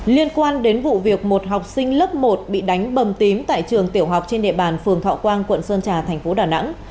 liên quan đến vụ việc một học sinh lớp một bị đánh bầm tím tại trường tiểu học trên địa bàn phường thọ quang quận sơn trà thành phố đà nẵng